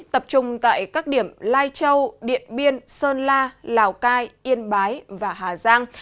tập trung tại các điểm lai châu điện biên sơn la lào cai yên bái và hà giang